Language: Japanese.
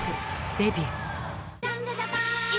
」デビュー